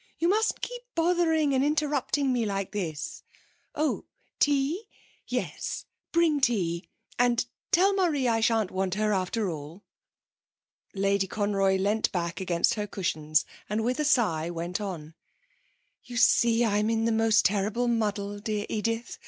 You mustn't keep bothering and interrupting me like this. Oh, tea? Yes, bring tea. And tell Marie I shan't want her after all.' Lady Conroy leant back against her cushions and with a sigh went on: 'You see, I'm in the most terrible muddle, dear Edith.